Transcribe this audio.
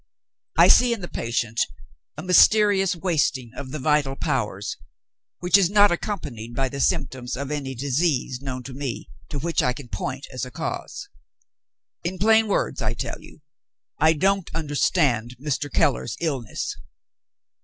I see in the patient a mysterious wasting of the vital powers, which is not accompanied by the symptoms of any disease known to me to which I can point as a cause. In plain words, I tell you, I don't understand Mr. Keller's illness."